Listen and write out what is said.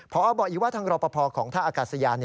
พอบอกอีกว่าทางรอปภของท่าอากาศยาน